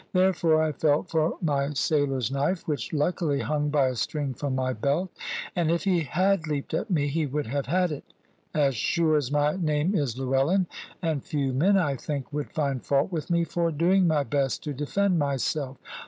Therefore I felt for my sailor's knife, which luckily hung by a string from my belt; and if he had leaped at me he would have had it, as sure as my name is Llewellyn; and few men, I think, would find fault with me for doing my best to defend myself.